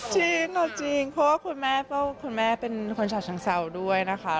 เพราะว่าคุณแม่เป็นชาชิงเซาด้วยนะคะ